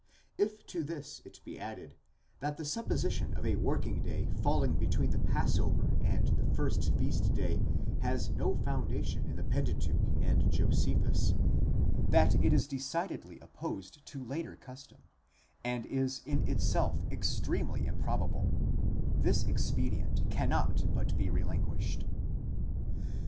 If to this it be added, that the supposition of a working day falling between the passover and the first feast day, has no foundation in the Pentateuch and Josephus, that it is decidedly opposed to later custom, and is in itself ex tremely improbable; this expedient cannot but be relinquished.